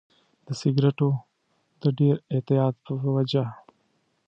د سیګریټو د ډېر اعتیاد په وجه.